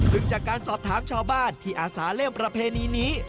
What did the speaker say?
ซึ่งจากการสอบถามชาวบ้านที่อาสาเล่มประเพณีนี้